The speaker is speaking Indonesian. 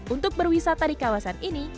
untuk berwisata di kawasan ini